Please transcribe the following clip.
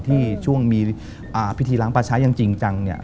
ที่ช่วงมีปิฏีล้างปลาชะยังจริงจัง